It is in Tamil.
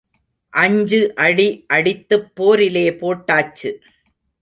அஞ்சு அடி அடித்துப் போரிலே போட்டாச்சு.